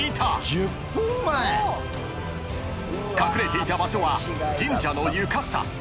［隠れていた場所は神社の床下］